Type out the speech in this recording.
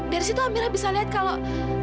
dari situ amira bisa lihat kalau